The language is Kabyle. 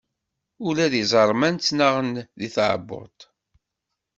Ula d iẓerman ttnaɣen di tɛebbuḍt.